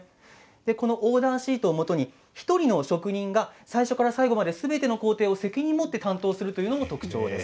このオーダーシートをもとに１人の職人が最初から最後まですべての工程を責任を持って担当するのも特徴です。